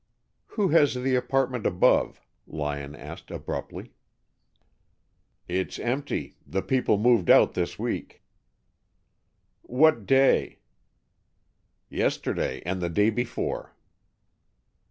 "Who has the apartment above?" Lyon asked abruptly. "It's empty. The people moved out this week." "What day?" "Yesterday and the day before."